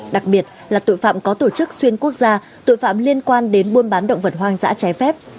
đặc biệt là tội phạm có tổ chức xuyên quốc gia tội phạm liên quan đến buôn bán động vật hoang dã trái phép